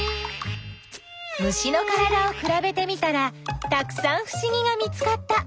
虫のからだをくらべてみたらたくさんふしぎが見つかった。